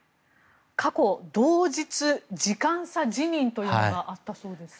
過去、同日時間差辞任というのがあったそうですね。